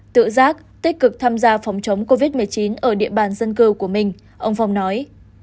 tự giác tích cực tham gia phòng chống covid một mươi chín ở địa bàn dân cư của mình ông phong nói